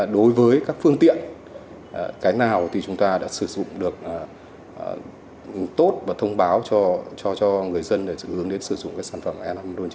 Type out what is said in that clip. đối với các phương tiện cái nào thì chúng ta đã sử dụng được tốt và thông báo cho người dân hướng đến sử dụng sản phẩm e năm một chín hai